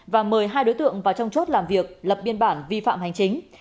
và mời hai đối tượng vào trong chốt làm việc lập biên bản vi phạm hành chính